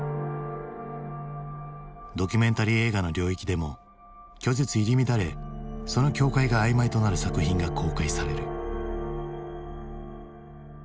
ドキュメンタリー映画の領域でも虚実入り乱れその境界があいまいとなる作品が公開される。